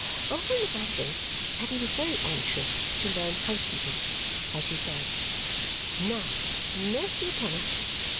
Over and above this, Caddy was very anxious "to learn housekeeping," as she said. Now, mercy upon us!